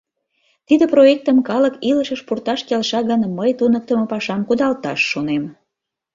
Тиде проектым калык илышыш пурташ келша гын, мый туныктымо пашам кудалташ шонем.